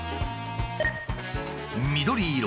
緑色。